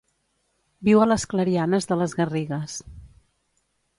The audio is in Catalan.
Viu a les clarianes de les garrigues.